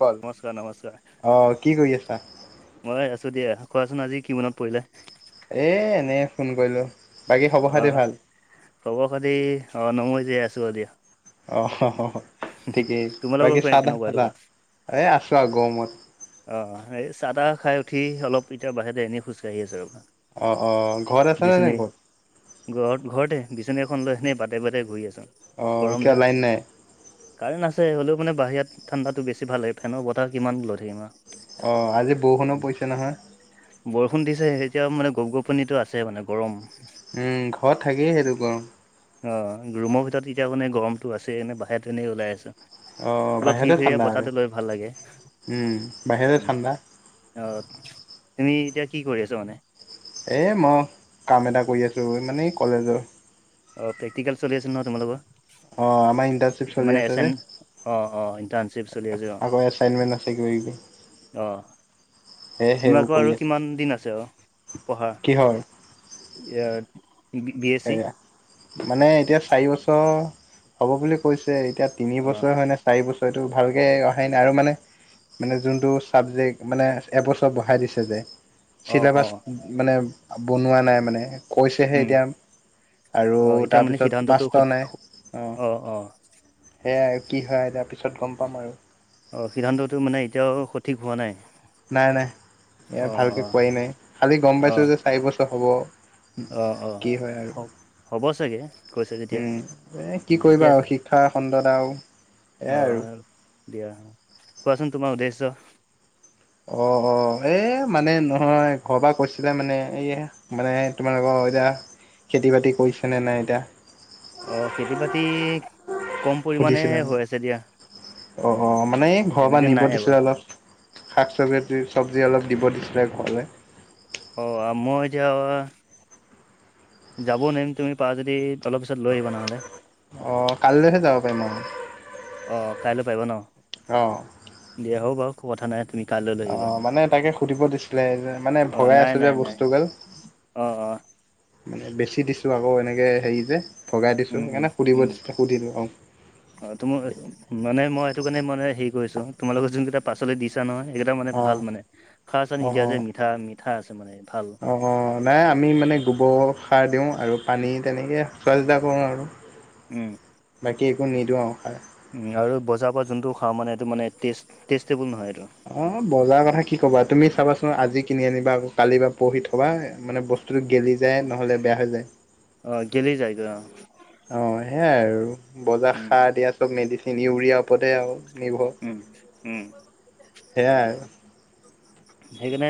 পল নমস্কাৰ নমস্কাৰ অ কি কৰি আছা। মই আছো দিয়া কোৱাচোন আজি কি মনত পৰিলে। এই এনেই ফোন কৰিলোঁ বাকী খবৰ খাতি ভাল। ক'ব খাতি অ ন মই জীয়াই আছোঁ আৰু দিয়া। অ হ'হ ঠিকেই তোমালোকৰ বাকী ক চাদা কেনেকুৱা চাদা এনেকুৱা এ আছো আৰু গৰমত। অ এই চাহ তাহ খাই উঠি অলপ এতিয়া বাহিতে এনে খোজকাঢ়ি আছো ৰ। অ অ ঘৰত আছ নে নাই গ'ল। ঘৰত ঘৰতে বিচনী এখন লৈ সেনেই বাটে বাটে ঘূৰি আছোঁ। অ কিয় লাইন নাই। কাৰেণ্ট আছে হ'লেও মানে বাহিৰত ঠাণ্ডাটো বেছি ভাল হয় ফেনৰ বতাহ কিমান লৈ সেৰিমাৰ। অঁ আজি বৰষুণৰ পৰিছে নহয়। বৰষুণ দিছে এতিয়া মানে গপ গপনিতটো আছে মানে গৰম। উম ঘৰত থাকেই সেইটো গৰম। অ ৰুমৰ ভিতৰত এতিয়া মানে গৰমতটো আছে এনে বাহিৰত এনেই ওলাই আছো। অ অলপ ফি বাহিৰতে ফৰিয়া ঠাণ্ডা আৰু বতাহটো লৈ ভাল লাগে উম বাহিৰতে উ। ঠাণ্ডা অ তুমি এতিয়া কি কৰি আছা মানে। এ মহ কাম এটা কৰি আছো মানে কলেজৰ। অ প্ৰেক্টিকেল চলি আছিল ন তোমালোকৰ। অ আমাৰ ইণ্টাৰ্ণশ্বিপ চলি মানে আছে এচাইন অ অ ইণ্টাৰ্ণশ্বিপ চলি যে। আছে অ আকৌ এচাইনমেন্ট আছে কিবা কিবি। অ এ সেইবোৰ তোমোক কৰি আৰু আছো কিমান দিন আছে অ পঢ়াৰ। কিহৰ ইয়াত। এয়া মানে এতিয়া চাৰি বছৰ হ'ব বুলি কৈছে এতিয়া। তিনি অ বছৰ হয় নে চাৰি বছৰটো ভালকে অহাই নাই আৰু মানে। মানে যোনটো ছাবজেক্ট মানে এবছৰ বঢ়াই দিছে যে। অ অ চিলেবাচ মানে বনোৱা নাই মানে কৈছেহে উম এতিয়া। আৰু অ এতিয়া মানে তাৰপিছত সিদ্ধান্তটো মাছট সত নাই অঁ। অ অ সেয়াই আৰু কি হয় তাৰ পিছত গম পাম আৰু। অ সিদ্ধান্ততটো মানে এতিয়াও সঠিক হোৱা নাই। নাই নাই অ ইয়াৰ ভালকৈ অ কোৱাই নাই খালি গম অ পাইছোঁ যে চাৰি বছৰ হ'ব। অ অ কি হয় আৰু। হ হ'ব চাগে কৈছে যেতিয়া উম এ উম কি এতিয়া কৰিবা আৰু শিক্ষা খণ্ডত আৰু। এয়াই অ আৰু দিয়া কোৱাচোন তোমাৰ উদ্দেশ্য। অ অ এ মানে নহয় ঘৰ বা কৈছিলে মানে এই। মানে তোমালোকৰ এতিয়া খেতি বাতি কৰিছে নে নাই এতিয়া। অ খেতি বাতি। কম সুধিছিলা পৰিমাণেহে মানে হৈ আছে দিয়া অ অ মানে এই ঘৰৰ পৰা তেনেকে নিব নাই এবাৰ দিছিলে অলপ। শাক চবজি চব্জি অলপ দিব দিছিলে ঘলে। অঁ‌ আ মই এতিয়া। যাব নোৱাইম তুমি পাৰা যদি অলপ পিছত লৈ আহিবা নহ'লে অ কালিলেহে যাব পাৰিম আউ অঁ কাইলৈ পাৰিবা ন অঁ দিয়া হব বাউ কথা নাই তুমি কাইলৈ লৈ আহিবা। অঁ মানে তাকে সুধিব দিছিলে যে মানে অ' ভগাই নাই আছে যে নাই নাই বস্তুগাল অ' অ' মানে বেছি দিছোঁ আকৌ এনেকে হেৰি যে ভগাই দিছো উম উম সেইকাৰণে সুধিব উম দিছিলে সুধিলো অ অ তোমাৰ মানে মই সেইটো কাৰণে মানে হেৰি কৰিচুং তোমালোকৰ যোন কেইটা পাচলি দিছা নহয় এইকেইটা মানে অ ভাল মানে সাৰ চাৰ অ নিদিয়া অ যে মিঠা মিঠা আছে মানে ভাল অঁ নাই আমি মানে গোবৰ সাৰ দিওঁ আৰু পানী তেনেকে চোৱা চিতা কৰোঁ আৰু হয় [inaudible] উম বাকী একো নিদিওঁ আউ সাৰ উম আৰু বজাৰ পৰা যোনটো খাওঁ মানে এইটো মানে টেষ্ট টেষ্টেবোল নহয় এইটো অ বজাৰ কথা কি কবা তুমি চাবাচোন আজি কিনি আনিবা আকৌ কালি বা পৰখি থবা মানে বচ টো গেলি যায় নহ'লে বেয়া হৈ যায় অ গেলি যায় গে অ অ সেয়াই আৰু বজাৰ উম সাৰ দিয়া চব মেডিচিন ইউৰিয়া ওপতে আউ নিৰ্ভ উম উম এয়াই আৰু সেইকাণে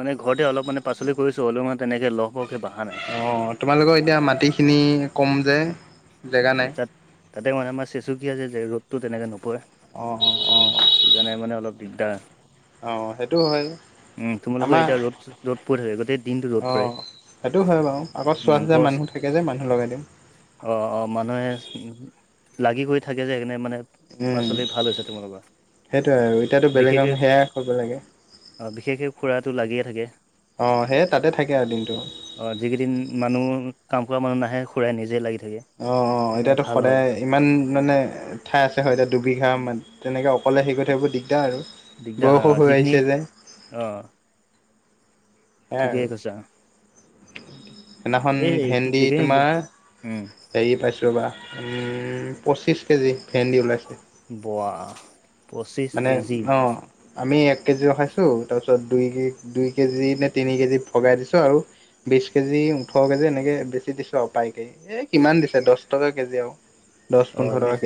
মানে ঘৰতে অলপ মানে পাচলি কৰিছো হ'লেও মানে তেনেকে লগ হক অ তোমালোকৰ এতিয়া মাটি খিনি কম যে জেগা নাই এ তাত তাতে মানে আমাৰ চেচুকীয়া যে ৰ'দতটো তেনেকে নপই অঁ অ অঁ সেইকাৰণে মানে অলপ দিগদাৰ অ সেইটো হয় উম তোমালোকৰ আমাৰ এতিয়া ৰ'দ ৰদ পৰি থাকে গোটেই দিনটো ৰ'দ পৰে অঁ সেইটো হয় বাউ আগত চোৱা উম চিতা গছ মানুহ থাকে যে মানুহ লগাই দিম অ অ মানুহে লাগি কৰি থাকে যে একাৰনে মানে উম। পাচলি ভাল হৈছে তোমালোকৰ সেইটোৱে আৰু এতিয়াতো বেলেগ কাম বিশেষকে সেয়াই কৰিব লাগে অ বিশেষকে খুৰাটো লাগিয়ে থাকে অ সেয়ে তাতে থাকে আৰু দিনটো অ যিকেইদিন মানুহ কাম কৰা মানুহ নাহে খুৰাই নিজে লাগি থাকে অ অ তেনে এতিয়াতো ভাল হয় সদায় ইমান মানে ঠাই আছে হয় এতিয়া দুবিঘা মান তেনেকে অকলে সেৰি কৰি থাকিব সেইবোৰ দিগদাৰ আৰু দিগদাৰ হয় বয়সো অ হৈ যিখিনি আহিছে যে অ সেয়াই ঠিকে কৈছা সেইনাখন এই ভেন্দি এইখিনি তোমাৰ উম হেৰি পাইছোঁ ৰবা উম পঁচিছ কেজি ভেন্দি ওলাইছে বৱাহ পঁচিছ মানে কেজি অ আমি এক কেজি ৰখাইছো তাৰপিছত দুই দুই কেজি নে তিনি কেজি ভগাই দিছো আৰু বিশ কেজি ওঠৰ কেজি এনেকে বেছি দিছোঁ আউ পাইকে এ কিমান দিছে দচ টকা কেজি আউ অ বিছ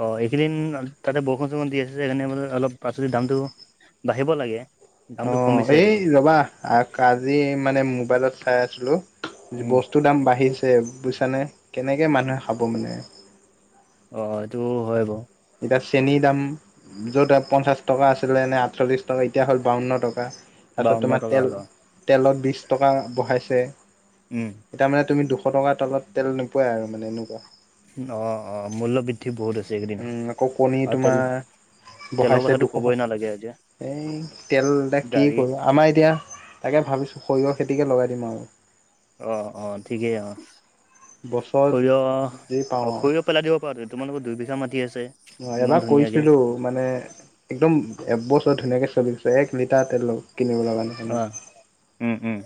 অঁ এইকেইদিন আ তাতে বউষুণ চউষুণ দি আছে সেইকাৰণে মানে অলপ পাচলিৰ দামটো বাঢ়িব লাগে। দামটো অ', কমিছে এই দেখোন ৰবা আক-আজি মানে মোবাইলত চাই আছিলো, উম বস্তু তো দাম বাঢ়িছে বুজিছানে, কেনেকে মানুহে খাব মানে? অ', সেইটো হয় বাৰু। এতিয়া চেনি দাম য'ত আ, পঞ্চাশ টকা আছিলেনে আঠচল্লিশ টকা এতিয়া হ'ল বাৱন্ন টকা। তাৰপিছত বাৱন্ন তোমাৰ টকা তেল, হ'ল অ তেলত বিশ টকা বঢ়াইছে। উম। এতিয়া মানে তুমি দুশ টকাৰ তলত তেল নোপোৱাই আৰু মানে এনেকুৱা। অ', অ' মূল্যবৃদ্ধি বহুত হৈছে। এইকেইদিন উম, আকৌ কণী আৰু তেল তোমাৰ তেলৰ বহাইছে কথাটো ক'বই দুশ। নালাগে এতিয়া এই তেল দা কি গাড়ী কবা আমাৰ এতিয়া তাকে ভাবিছোঁ সৰিয়হ খেতিকে লগাই দিম আৰু। অ', অ' ঠিকেই অ', বছৰত সৰিয়হ যি পাওঁ অ' সৰিয় পেলাই দিব পাৰাতো, তোমালোকৰ দুইবিঘা মাটি আছে। অ' ইমান এবাৰ ধুনীয়াকে কৰিছিলোঁ। মানে একদম এবছৰ ধুনীয়াকৈ চলিছে, এক লিটাৰ তেল কিনিব লগা নাই। মানে অ', উম, উম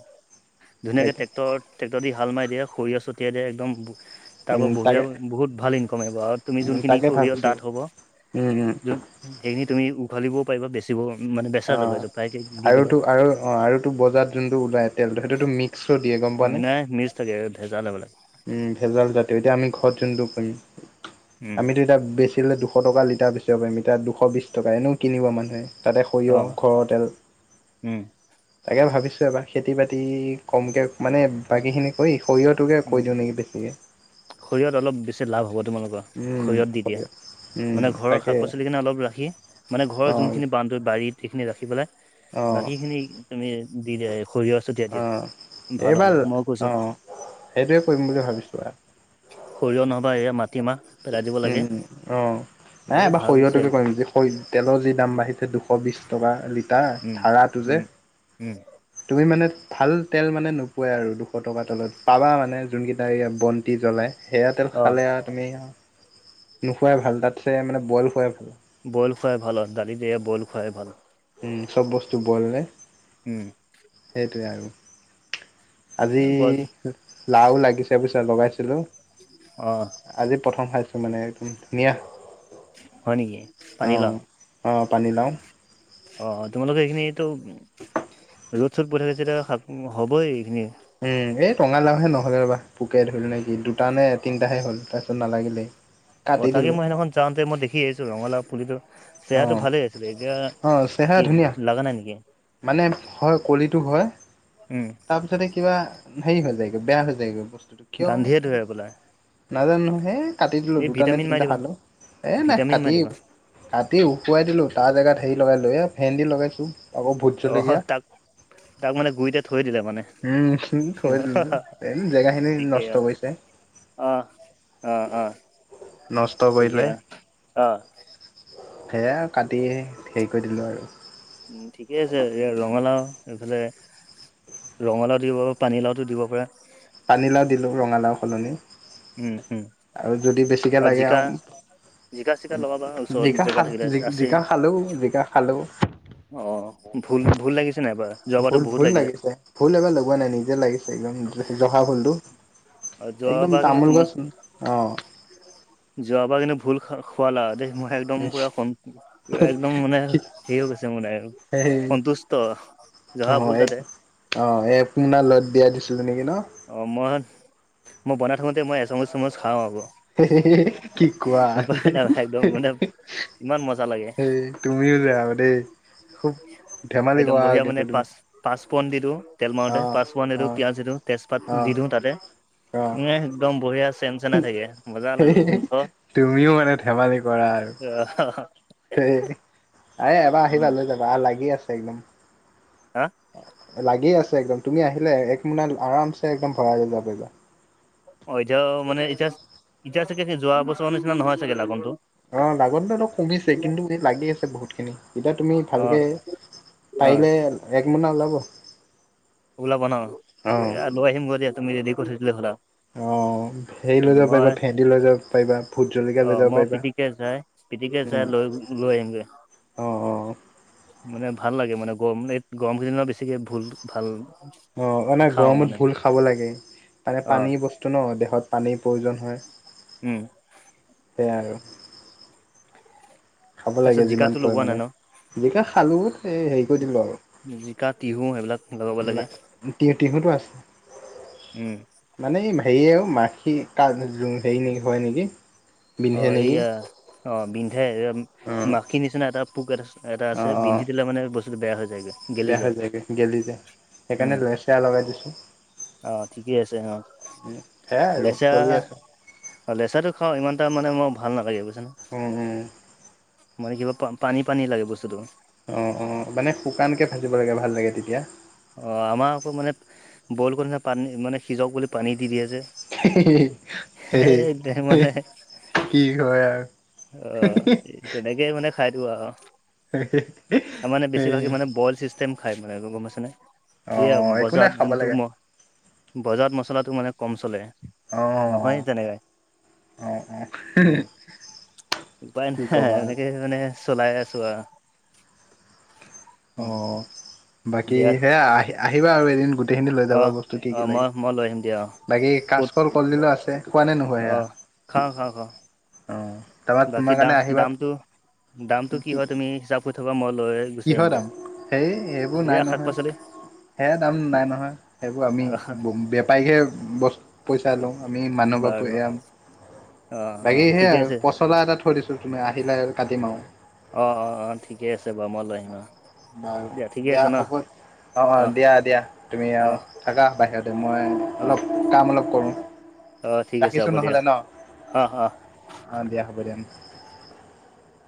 ধুনীয়াকে ট্ৰেক্টৰত ট্ৰেক্টৰ দি হাল মাৰি দিয়ে সৰিয়হ ছটিয়াই দিয়ে একদম বু তাৰ পৰা উম বঢ়িয়া তাকে বহুত ভাল ইনকম আহিব আৰু তুমি যোনখিনি তাকে সৰিয়ত ভাবিছো ডাঠ হ'ব, উম উম যোন সেইখিনি তুমি উঘালিবও পাৰিবা, বেচিব মানে বেচা অ যাবা এইটো প্ৰায়কে দি দিবা। আৰুতো আৰু অ', আৰুতো বজাত যোনটো ওলায়, তেলটো সেইটোতো মিক মিক্সো দিয়ে গম পোৱা নে নাই মিছ থাকে, ভেজাল হ'বলা। উম, ভেজাল জাতীয় এতিয়া আমি ঘৰত যোনটো কৰিম। উম আমিতো এতিয়া বেছ বেচিলে দুশ টকা লিটাৰ বেচিব পাৰিম, এতিয়া দুশ বিশ টকা এনেও কিনিব মানুহে। তাতে সৰিয়হ অ' ঘৰৰ তেল। উম তাকে ভাবিছোঁ, এবাৰ খেতি বাতি কমকে মানে বাকী খিনি কৰি সৰিয়হটোকে উম কৰি দিওঁ নেকি বেছিকে? সৰিয়হত অলপ বেছি লাভ হ'ব তোমালোকৰ। উম সৰিয়ত দি দিয়া। সৰিয়হ উম মানে ঘৰৰ তাকে শাক পাচলিখিনি অলপ ৰাখি, মানে ঘৰৰ অ যোনখিনি বান য'ত বাৰীত সেইখিনি ৰাখি অ পেলাই বাকীখিনি তুমি দি দিয়া, এই সৰিয়হ ছটিয়াই অ দিয়া ভাল হ'ব মই কৈছোঁ। সেইটোয়ে কৰিম বুলি ভাবিছোঁ আৰু। সৰিয়হ নহবা এইয়া মাটিমাহ পেলাই দিব লাগে উম, অ', নাই এই এইবাৰ ভাল সৰিয়হটোকে চেল কৰিম যি [unintelligible] তেলৰ যি দাম বাঢ়িছে, দুশ বিশ টকা লিটাৰ উম ধাৰাটো যে। উম উম তুমি মানে ভাল তেল মানে নোপোৱাই আৰু দুশ টকা তলত, পাবা মানে যোনকেইটা এতিয়া বন্তি জ্বলায। সেয়া তেল অ' খালে আৰু তুমি আৰু, নুখোৱাই ভাল তাতছে মানে বইল খোৱাই ভাল। বইল খুৱাই ভাল আৰু দালি দিয়ে বইল খুৱাই ভাল। উম, চব বস্তু নে? উম। সেইটোৱে আৰু, আজি বইল লাও লাগিছে বুইছা, লগাইছিলোঁ। অঁ'। আজি প্ৰথম খাইছোঁ মানে একদম ধুনীয়া। হয় নেকি, পানী লাও? অঁ পানী লাওঁ। অঁ' তোমালোকে এইখিনিটো [unintelligible] ৰ'দ চ'দ পৈ থাকিছে এতিয়া হ'বই এইখিনিয়ে। উমঁ' এই টঙালাওহে নহ'লে ৰবা, পোকে ধৰিলে নেকি দুটা নে তিনটাহে হ'ল তাৰপিছত নালাগিলে। [inaudible] অঁ' তাকে মই সেইদিনাখন যাওঁতে মই দেখি আহিছো ৰঙালাও পুলিটো অ চেহেৰাটো ভালে আছিলে, এতিয়া অ চেহেৰা কি ধুনীয়া লগা নাই নেকি? মানে হয় কলিতো হয়, উম তাৰপি ছতে কিবা হেৰি হৈ যায়গৈ, বেয়া হৈ যায়গৈ বস্তুটো কিয় বা। গান্ধীয়ে ধৰে হবলা নাজানো নহয়, সেই কাটি দিলোঁ, এই দুটা নে ভিটামিন মাৰি তিনিটা দিবা খালোঁ, এ নাই ভিটামিন মাৰি কাটিয়ে দিবা দিলো। কাটি উখুয়াই দিলোঁ, তাৰ জেগাত সেৰি লগাই দিলোঁ। এইয়া ভেন্দি লগাইছোঁ। অহ' তাক, তাক মানে গুৰিতে থৈ দিলে মানে। উমঁ' থৈ দিলোঁ, এনেই জেগা খিনি নষ্ট কৰিছে। অহ'-অহ'-অহ'। নষ্ট কৰিলে, অ সেইয়া কাটি সেৰি কৰি দিলোঁ আৰু। উমঁ' ঠিকে আছে, এই ৰঙালাও এইফালে ৰঙালাও দিব পাৰে, পানীলাওটো দিব পাৰে। পানীলাও দিলোঁ ৰঙালাও সলনি উম উম আৰু যদি বেছিকৈ লাগে আৰু জিকা চিকা লগাবা ওচৰত জিকা জেগা খাল, থাকিলে আছেই জিকা খালো জিকা খালো। অঁ' ভুল-ভুল লাগিছে নাই [unintelligible] ভুল ভুল লাগিলে লাগিছে, ভুল এইবাৰ লগোৱা নাই নিজে লাগিছে, একদম জহা ভুলটো। যোৱাবাৰ [unintelligible] ৰুবাচোন, অহঁ। যোৱাবা কিন্ত ভুল খু-খুৱালা দেই। মই একদম পুৰা [unintelligible] পুৰা একদম মানে হেৰি হৈ গৈছে মোৰ [unintelligible] সন্তুষ্ট। জহা অঁ' ভুল এক তাতে অঁ' এক [unintelligible] দিছিলো নেকি ন? অঁ' মই, মই বনাই থাকোতে মই এচামুচ-দুচামুচ খাওঁ আকৌ। কি কোৱা। উপায় নাই একদম মানে ইমান মজা লাগে সেই তুমিও যে আৰু দেই, খুব ধেমালি কৰা আৰু কিন্তু তুমি। পাঁচপোৰণ দি দিওঁ তেল অ মাৰোতে, পাঁচপণ দি অ দিও, পিয়াজ দি দিওঁ, তেজপাত অ দি দিওঁ তাতে। অ উ একদম বঢিয়া চে তুমিও মানে ধেমালি কৰা আৰু। এ এবাৰ উম, আহিবা লৈ যাবা আৰু লাগি আছে একদম। হা? লাগি আছে একদম, তুমি আহিলে এক মোনা আৰাম চে একদম ভৰাই লৈ যাব পাৰিবা। অঁ' এতিয়াও মানে এতিয়া এতিয়া চাগে সেই যোৱা বছৰৰ নিচিনা নহয় চাগে লাগনটো? অঁ' লাগনতোটো কমিছে কিন্তু সেই লাগি আছে বহুত খিনি। এতিয়া তুমি অ' ভালকৈ অ' পাৰিলে এক মোনা ওলাব। ওলাবা ন অ'। লৈ আহিম গ দিয়া তুমি যদি কৰি থৈছিলে ঘলা। অঁ হেৰি লৈ যাব পাৰিবা ভেন্দি লৈ যাব পাৰিবা ভূট জলকীয়া লৈ যাব পাৰিবা। কে যাই। স্পিতিকা চা ল লৈ আহিম গে। অঁ অ অ। মানে ভাল লাগে মানে গৰম এই গৰম কেইদিনত বেছিকে ভুল ভাল। অ অ নে খাওঁ গৰমত মানে মই ভুল খাব লাগে মানে অ' পানীৰ বস্তু ন দেহত পানীৰ প্ৰয়োজন হয়। উম। সেইয়াই আৰু। খাব তাৰপিছত লাগে যিমান জিকাটো লগোৱা নাই পৰিমাণে ন যিকা খালো সেই হেৰি কৰি দিলো আৰু। জিকা তিহু সেইবিলাক। লগাব না লাগে টি টিহুতো আছ। উম মানে হেৰি আৰু মাখি হেৰি নে হয় নেকি। বিন্ধে অ' নেকি। এইয়া অ' বিন্ধাই [inaudible] অ', মাখিৰ নিচিনা এটা। পোক এটা এটা আছে অ', বিন্ধি অ', দিলে মানে বস্তুটো বেয়া হৈ যায়গৈ। গেলি বেয়া হৈ যায় যায়গৈ গেলি যায় উম সেইকাৰণে লচেয়া লগাই দিছোঁ। অ' ঠিকেই আছে অ' সেয়াই আৰু বেচাৰা। চলি আছে। অ লেচা খওঁ ই এটা মানে মই ভালাগ বুজিচানে। ওম ওম। মানে কিবা প পানী পানী লাগে বস্তুতটো। অঁ অঁ মানে শুকানকৈ ভাজিব লাগে ভাল লাগে তেতিয়া। অ' আমাৰ আকৌ মানে বইল কৰি পানী মানে সিজক বুলি পানী দি দিয়ে যে। [inaudible] হেই সেই হে মানে কি হয় আৰু। অ' তেনেকে মানে খাই দিও আও। তাৰ মানে সেই বেছিভাগে মানে বইল চিষ্টেম খাই মানে গম পাইছানে। এই অ', একো নাই বজাৰত খাব যোনটো লাগে ম বজাৰত মচলাটো মানে কম চলে। অ', নহয় তেনেকাই। অ', অ', উম উপায় নাই কি আৰু ক'বা এনেকে। মানে চলাই আছো আৰু। উম অ' বাকী দিয়াত সেয়া আহি আহিবা আৰু এদিন গো। টেইখিনি লৈ অ যাবা বস্তু কি অ কি লাগে। মই মই লৈ আহিম দিয়া অ বাকী ক'ত কাজকল কলদিলৰ আছে খোৱা নে নখোৱা অ সেইয়া খাওঁ খাওঁ খাওঁ অ। তাৰপৰা বাকী তোমাৰ কাৰণে দাম আহিবা দামটো দামটো কি হয় তুমি হিচাপ কৰি থবা মই লৈ। গুচি আহিম কিহৰ দিয়া দাম হে হেইবোৰ এইয়া নাই শাক নহয়। পাচলি সেযয়া দাম নাই নহয় সেইবোৰ আমি আহ বেপাৰীকহে বস। পইচা লওঁ আমি মানু [inaudible] বাৰু অ অ বাকী সেই ঠিকে আছে পচলা এটা থৈ দিছো তুমি আহিলে কাটিম আৰু। অ' অ' অ' ঠিকে আছে বাৰু মই লৈ আহিম অ'। হয় ঠিকে দিয়া আছে ন হব। অ' অ' দিয়া দিয়া তুমি অ আৰু থাকা বাহিৰতে মই অ অলপ কাম অলপ কৰোঁ। অ ঠিক আছে ৰাখিছো হ'ব দিয়া নহ'লে ন অ অ অ' দিয়া হ'ব দিয়া।